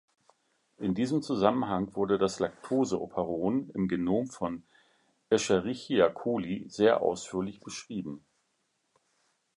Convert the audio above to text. In diesem Zusammenhang wurde das Lactose-Operon im Genom von "Escherichia coli" sehr ausführlich beschrieben.